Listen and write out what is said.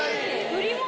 ・売り物！